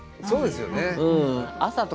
そうですよね。